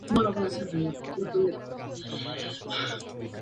Ha desarrollado su carrera deportiva en el Club Bádminton Alicante.